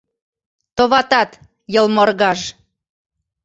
Товатат, йылморгаж!